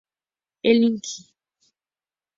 El Ing.